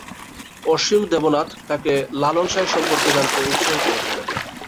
অসীম দেবনাথ তাকে লালন সাঁই সম্পর্কে জানতে উৎসাহী করে তোলেন।